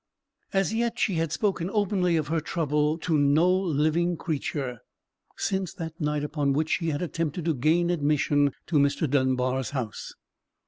As yet she had spoken openly of her trouble to no living creature, since that night upon which she had attempted to gain admission to Mr. Dunbar's house.